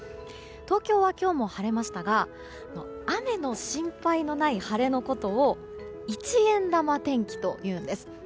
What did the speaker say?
東京は今日も晴れましたが雨の心配のない晴れのことを一円玉天気というんです。